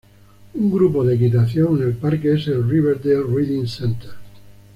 Un grupo de equitación en el parque es el "Riverdale Riding Center".